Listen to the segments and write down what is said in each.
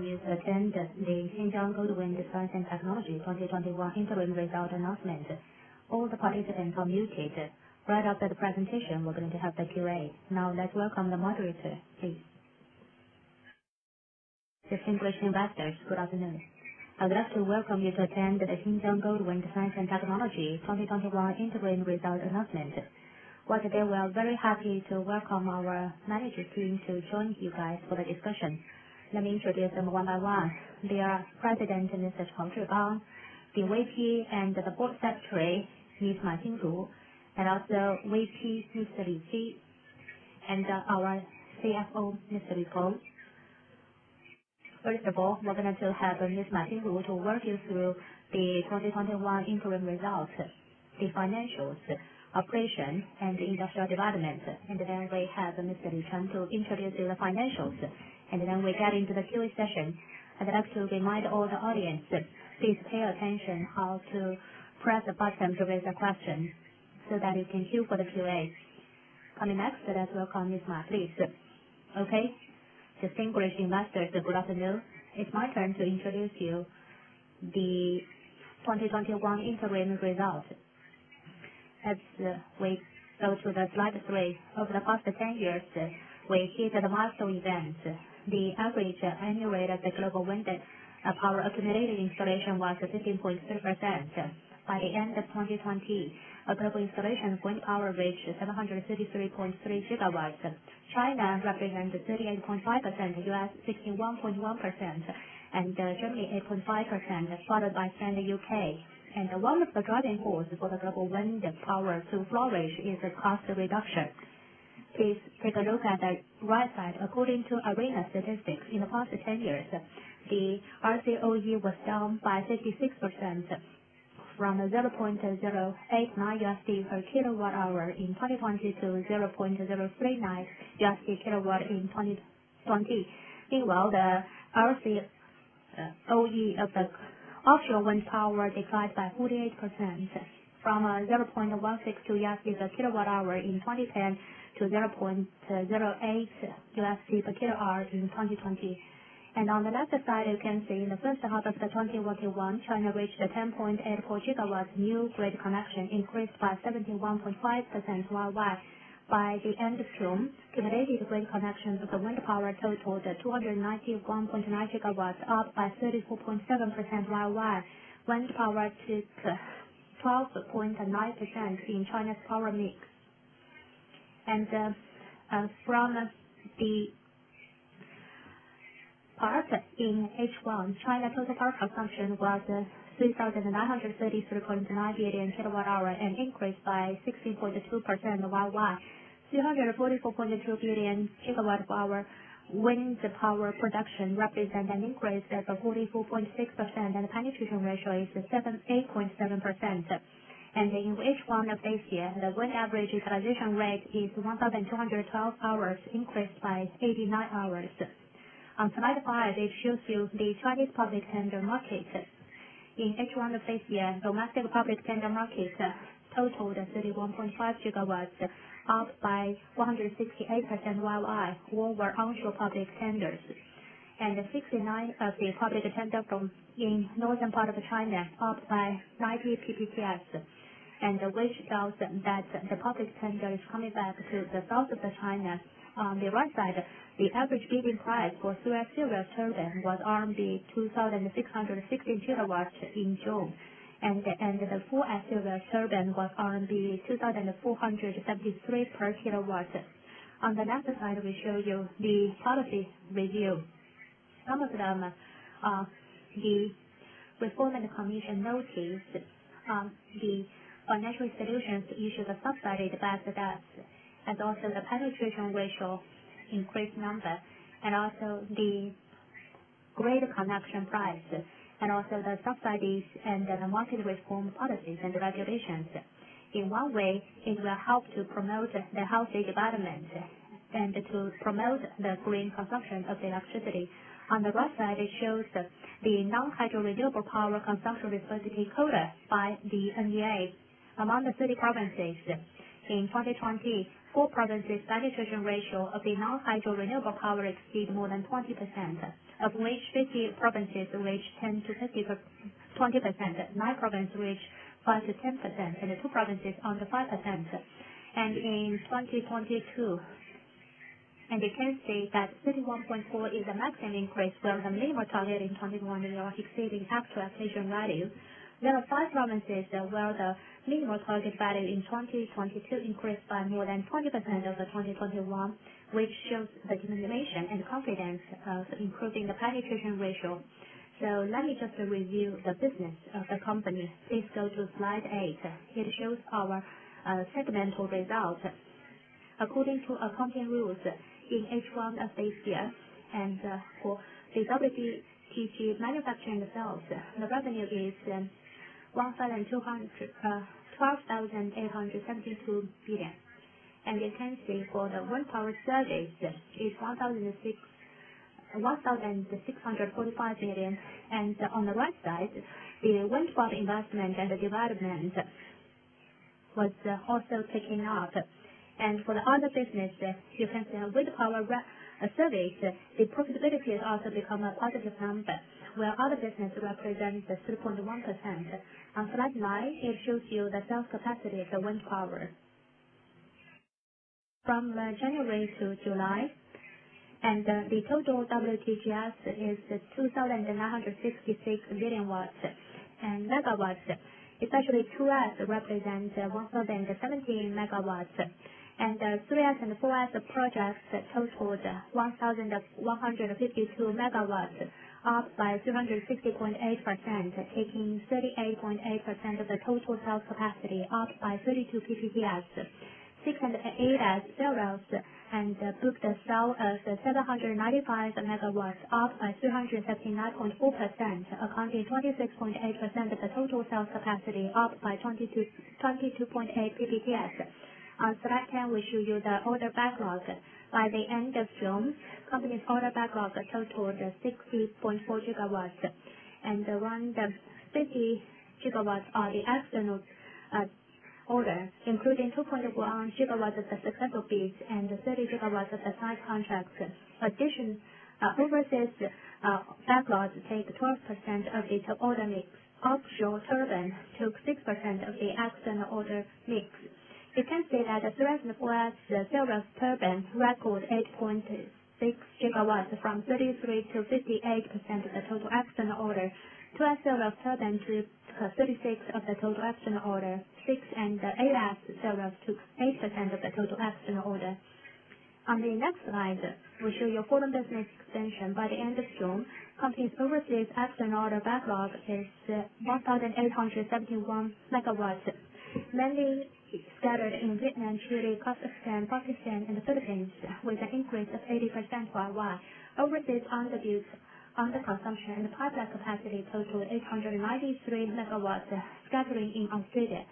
You attend the Xinjiang Goldwind Science & Technology 2021 interim results announcement. All the participants are muted. Right after the presentation, we're going to have the Q&A. Let's welcome the moderator, please. Distinguished investors, good afternoon. I would like to welcome you to attend the Xinjiang Goldwind Science & Technology 2021 interim results announcement. Today we are very happy to welcome our management team to join you guys for the discussion. Let me introduce them one by one. They are President, Mr. Cao Zhigang, the VP and Board Secretary, Ms. Ma Jinru, and also VP, Xu Zeliqi, and our CFO, Mr. [Lee Kong]. First of all, we are going to have Ms. Ma Jinru to walk you through the 2021 interim results, the financials, operations, and the industrial development. Then we have Mr. [Liu Chun] to introduce the financials. We get into the Q&A session. I would like to remind all the audience, please pay attention how to press the button to raise a question so that it can queue for the Q&A. Let's welcome Ms. Ma, please. Okay. Distinguished investors, good afternoon. It's my turn to introduce you the 2021 interim results. We go to the slide three, over the past 10 years, we see the milestone events. The average annual rate of the global wind power accumulated installation was 15.3%. By the end of 2020, global installation wind power reached 733.3 GW. China represents 38.5%, U.S. 16.1%, and Germany 8.5%, followed by France and U.K. One of the driving forces for the global wind power to flourish is the cost reduction. Please take a look at the right side. According to IRENA statistics, in the past 10 years, the LCOE was down by 56% from $0.089 per kilowatt hour in 2020 to $0.039 kilowatt in 2020. The LCOE of the offshore wind power declined by 48%, from $0.162 kilowatt hour in 2010 to $0.08 per kilowatt hour in 2020. On the left side, you can see in the first half of 2021, China reached 10.84 GW new grid connection, increased by 71.5% year-over-year. By the end of June, cumulative grid connections of the wind power totaled 291.9 GW, up by 34.7% year-over-year. Wind power took 12.9% in China's power mix. From the product in H1, China total power consumption was 3,933.9 billion kWh and increased by 60.2% YOY. 244.2 billion kWh wind power production represent an increase of 44.6%, the penetration ratio is 8.7%. In H1 of this year, the wind average utilization rate is 1,212 hours, increased by 89 hours. On slide five, it shows you the Chinese public tender market. In H1 of this year, domestic public tender market totaled 31.5 GW, up by 168% year-over-year, all were onshore public tenders. 69 of the public tender from in northern part of China, up by 90 PPAs. Which tells that the public tender is coming back to the south of the China. On the right side, the average bidding price for full actual turbine was RMB 2,660 kilowatt in June. The full actual turbine was RMB 2,473 per kilowatt. On the next slide, we show you the policy review. Some of them are the National Development and Reform Commission notice on the financial solutions to issue the subsidy to back the debt, and also the penetration ratio increased number, and also the grid connection price, and also the subsidies and the market reform policies and regulations. In one way, it will help to promote the healthy development and to promote the green consumption of the electricity. On the right side, it shows the non-hydro renewable power consumption diversity quota by the National Energy Administration. Among the 30 provinces in 2020, 4 provinces penetration ratio of the non-hydro renewable power exceed more than 20%, of which 15 provinces reached 10%-20%, NINE provinces reached 5%-10%, and two provinces under 5%. In 2022, and we can see that 31.4 is the maximum increase where the minimum target in 2021 is exceeding up to a certain value. There are five provinces where the minimum target value in 2022 increased by more than 20% of the 2021, which shows the determination and confidence of improving the penetration ratio. Let me just review the business of the company. Please go to slide eight. It shows our segmental results. According to accounting rules in H1 of this year, for the WTG manufacturing sales, the revenue is 1,872 billion. We can see for the wind power service is 1,645 billion. On the right side, the wind power investment and development was also taking up. For the other business, you can see with the power service, the profitability also become a positive number, where other business represents 2.1%. On slide nine, it shows you the sales capacity of the wind power. From January to July, the total WTGS is 2,966 million MW. Especially 2S represents 170 MW. 3S and 4S projects totaled 1,152 MW, up by 260.8%, taking 38.8% of the total cell capacity, up by 32 PPAs. 6S and 8S cells and book the cell as 795 MW, up by 279.4%, accounting 26.8% of the total cell capacity, up by 22.8 PPAs. On slide 10, we show you the order backlog. By the end of June, company's order backlog totaled 60.4 GW. Around 50 GW are the external orders, including 2.1 GW of successful bids and 30 GW of signed contracts. Addition overseas backlog takes 12% of the total order mix. Offshore turbines took 6% of the external order mix. You can see that 3S and 4S sales turbines record 8.6 GW from 33%-58% of the total external order. 2S sales turbines took 36% of the total external order. 6S and 8S sales took 8% of the total external order. On the next slide, we show you foreign business expansion. By the end of June, company's overseas external order backlog is 1,871 MW, mainly scattered in Vietnam, Chile, Kazakhstan, Pakistan, and the Philippines, with an increase of 80% year-over-year. Overseas under consumption and the pipeline capacity total 893 MW scattering in Australia.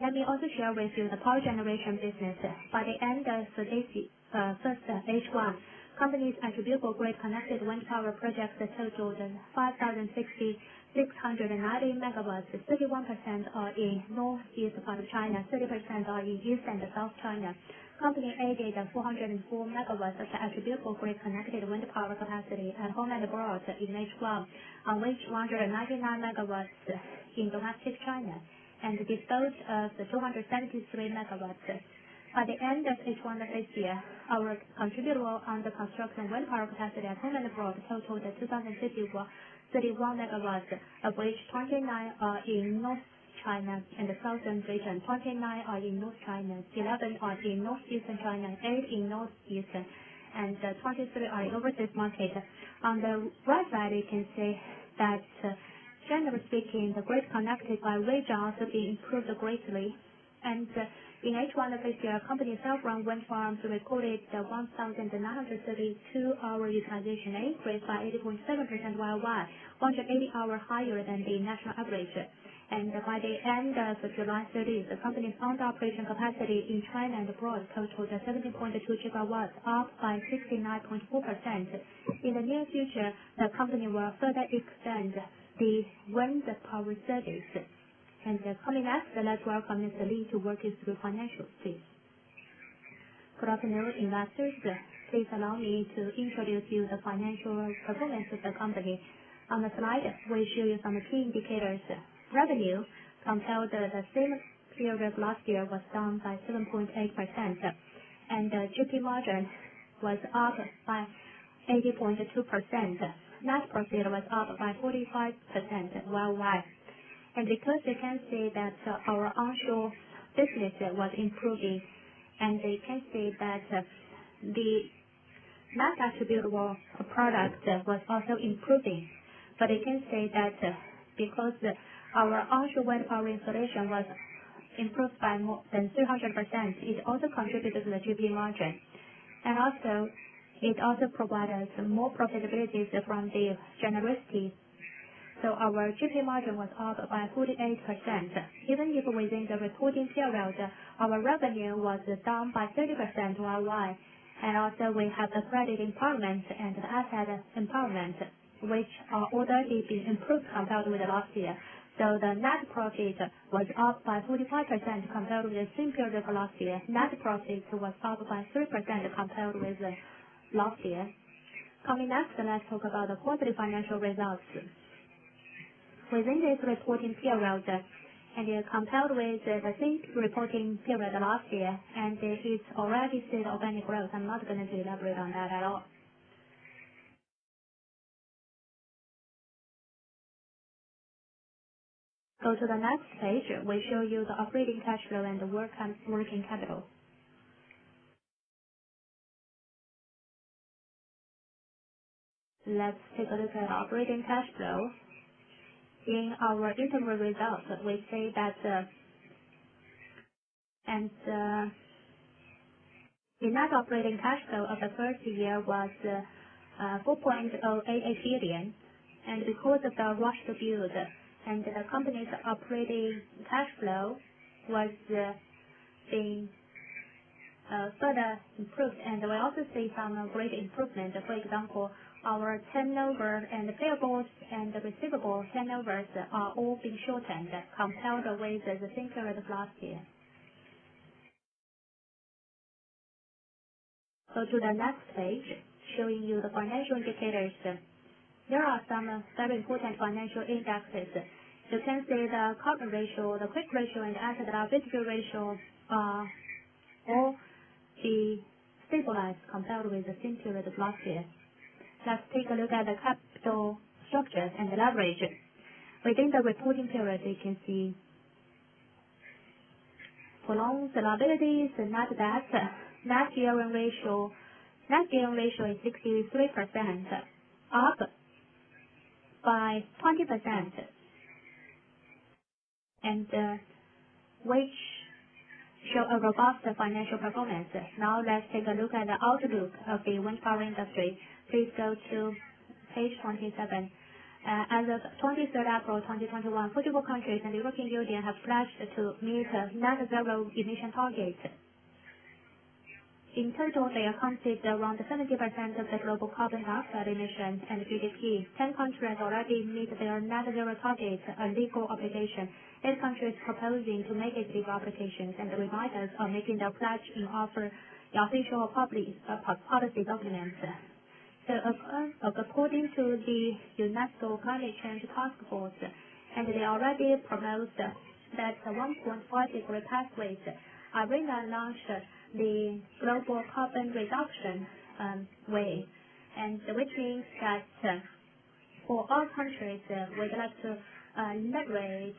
Let me also share with you the power generation business. By the end of first H1, company's attributable grid-connected wind power projects totaled 5,600 MW, with 31% are in Northeast China, 30% are in East and the South China. Company added 404 MW of attributable grid-connected wind power capacity at home and abroad in H1, of which 199 MW in domestic China and disposed of 273 MW. By the end of H1 this year, our attributable under-construction wind power capacity at home and abroad totaled 2,031 MW, of which 29 are in North China and the southern region, 29 are in North China, 11 are in northeastern China, 8 in northeast, and 23 are overseas market. On the right side, you can see that generally speaking, the grid connected by region also being improved greatly. In H1 of this year, company's self-run wind farms recorded 1,932 hour utilization, increased by 8.7% year-over-year, 180 hour higher than the national average. By the end of July 30th, the company's total operating capacity in China and abroad totaled 17.2 GW, up by 69.4%. In the near future, the company will further extend the wind power service. Coming up, let's welcome Mr. [Liu] to walk us through financials, please. Good afternoon, investors. Please allow me to introduce you the financial performance of the company. On the slide, we show you some key indicators. Revenue compared the same period last year was down by 7.8%, and GP margin was up by 80.2%. Net profit was up by 45% year-over-year. Because you can see that our onshore business was improving, and you can see that the net attributable profit was also improving. You can see that because our onshore wind power installation was improved by more than 300%, it also contributed to the GP margin. Also, it also provided more profitability from the generation. Our GP margin was up by 48%. Even if within the reporting period, our revenue was down by 30% year-over-year. Also we have the credit impairment and asset impairment, which overall improved compared with the last year. The net profit was up by 45% compared with the same period of last year. Net profit was up by 3% compared with last year. Coming next, let's talk about the corporate financial results. Within this reporting period, and compared with the same reporting period last year, and it already did organic growth. I'm not going to elaborate on that at all. Go to the next page, we show you the operating cash flow and the working capital. Let's take a look at operating cash flow. In our interim results, we see that And the net operating cash flow of the first year was 4.08 billion, and because of the rush to build and the company's operating cash flow was being further improved, and we also see some great improvement. For example, our turnover and the payables and the receivable turnovers are all being shortened compared with the same period last year. Go to the next page, showing you the financial indicators. There are some very important financial indexes. The trends with the current ratio, the quick ratio, and asset liability ratio are all stabilized compared with the same period last year. Let's take a look at the capital structures and leverage. Within the reporting period, you can see prolonged stabilities are not bad. Net gearing ratio is 63%, up by 20%, which shows a robust financial performance. Now let's take a look at the outlook of the wind power industry. Please go to page 27. As of 23rd April 2021, 44 countries in the European Union have pledged to meet net zero emission targets. In total, they account for around 70% of the global carbon dioxide emissions and GDP. 10 countries already meet their net zero targets, a legal obligation. Eight countries are proposing to make it a legal obligation, the reminders are making their pledge in official public policy documents. According to the UNESCO Climate Change Passport, they already proposed that 1.5 degree pathway. IRENA launched the global carbon reduction way, which means that for all countries, we'd like to integrate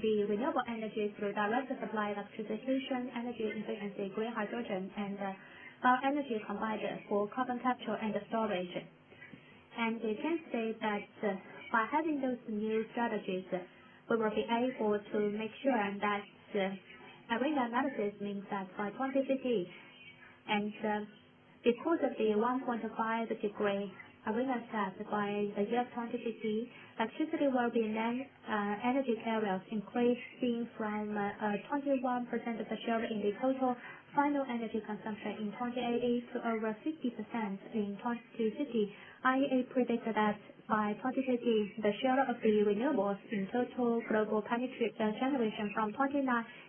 the renewable energy through direct supply, electrification, energy efficiency, green hydrogen, and bioenergy combined for carbon capture and storage. We can say that by having those new strategies, we will be able to make sure that IRENA analysis means that by 2050, because of the 1.5 degree pathway, by the year 2050, electricity will be an energy carrier, increasing from 21% of the share in the total final energy consumption in 2018 to over 50% in 2050. IEA predicts that by 2050, the share of the renewables in total global penetration generation from 29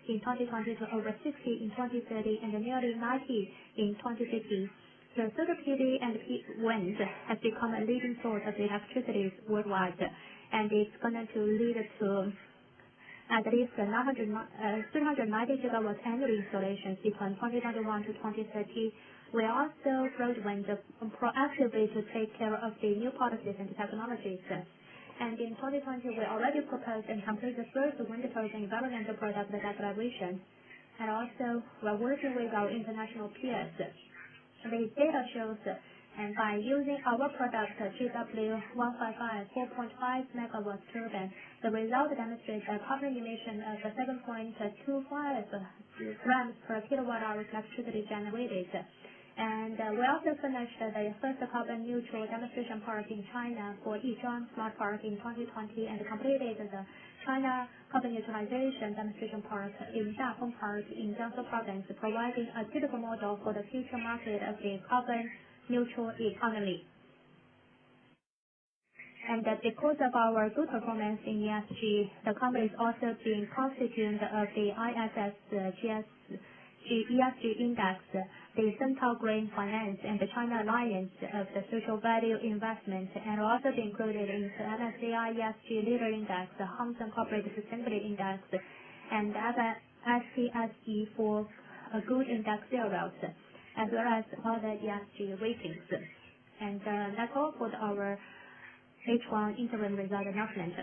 in 2020 to over 60 in 2030 and nearly 90 in 2050. Solar PV and wind have become a leading source of electricity worldwide, it's going to lead to at least 390 GW annual installations between 2021-2030. We also, Goldwind, are proactive to take care of the new products and technologies. In 2020, we already proposed and completed the first wind power development project with that revelation. Also, we're working with our international peers. The data shows that by using our product, GW 1.5, 4.5 MW turbine, the result demonstrates a carbon emission of 7.25 g/kWh electricity generated. We also finished the first carbon neutral demonstration park in China for Yizhuang Smart Park in 2020 and completed the China carbon utilization demonstration park in Zhaotong Park in Yunnan Province, providing a typical model for the future market of the carbon neutral economy. Because of our good performance in ESG, the company is also being constituted as the ISS ESG Index, the SynTao Green Finance, and the China Alliance of Social Value Investment, and also be included in the MSCI ESG Leaders Index, the Hang Seng Corporate Sustainability Index, and FTSE4Good Index Series, as well as other ESG ratings. That's all for our H1 interim result announcement.